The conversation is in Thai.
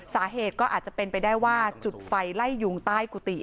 สาเหตุก็อาจจะเป็นไปได้ว่าจุดไฟไล่ยุงใต้กุฏิ